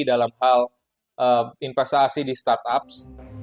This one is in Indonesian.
dalam hal investasi di startups